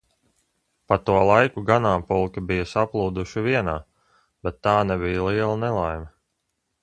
Pa to laiku ganāmpulki bija saplūduši vienā, bet tā nebija liela nelaime.